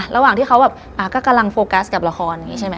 ระหว่างที่เขากำลังโฟกัสกับละคร